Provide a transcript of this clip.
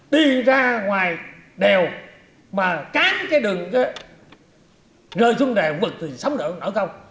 đi ra ngoài đèo mà cán cái đường rơi xuống đèo vực thì sóng lửa không nở không